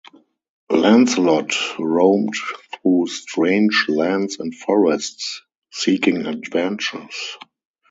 Lancelot roamed through strange lands and forests seeking adventures.